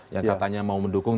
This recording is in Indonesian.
yang katanya mau mendukung